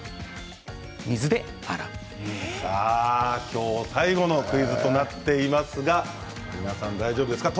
今日最後のクイズとなっていますが皆さん大丈夫ですか。